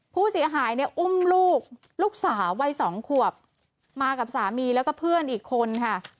ผู้เสียหายเนี่ยอุ้มลูกลูกสาววัยสองขวบมากับสามีแล้วก็เพื่อนอีกคนค่ะ